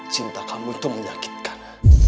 cinta kamu tuh menyakitkan